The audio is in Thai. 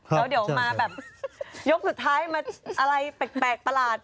แล้วเดี๋ยวมาแบบยกสุดท้ายมาอะไรแปลกประหลาด